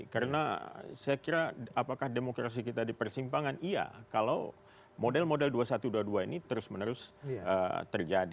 karena saya kira apakah demokrasi kita dipersimpangkan iya kalau model model dua puluh satu dua puluh dua ini terus menerus terjadi